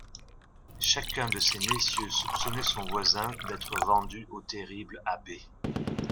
Chacun de ces messieurs soupçonnait son voisin d'être vendu au terrible abbé.